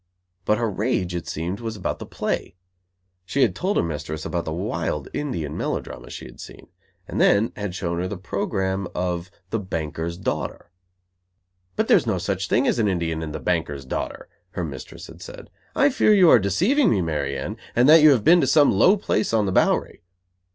But her rage, it seemed, was about the play. She had told her mistress about the wild Indian melodrama she had seen, and then had shown her the program of The Banker's Daughter. "But there is no such thing as an Indian in The Banker's Daughter," her mistress had said. "I fear you are deceiving me, Mary Anne, and that you have been to some low place on the Bowery."